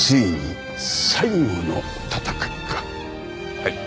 はい。